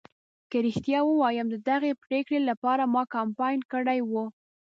که رښتیا ووایم ددغې پرېکړې لپاره ما کمپاین کړی و.